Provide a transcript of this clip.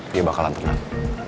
dia bakalan tenang